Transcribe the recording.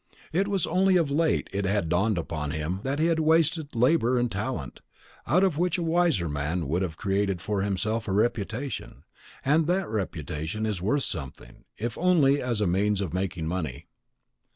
It was only of late it had dawned upon him that he had wasted labour and talent, out of which a wiser man would have created for himself a reputation; and that reputation is worth something, if only as a means of making money.